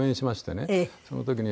その時に。